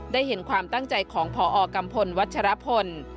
ได้เห็นความตั้งใจของพอกัมพลวัชรพล